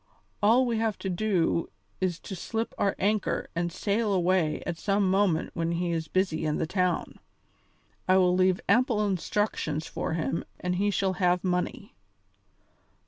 All we have to do is to slip our anchor and sail away at some moment when he is busy in the town. I will leave ample instructions for him and he shall have money."